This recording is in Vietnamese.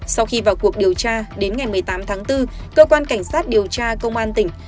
sau khi vào cuộc điều tra đến ngày một mươi tám tháng bốn cơ quan cảnh sát điều tra công an tp phú thọ